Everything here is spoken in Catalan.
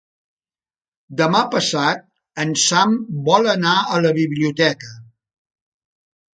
Demà passat en Sam vol anar a la biblioteca.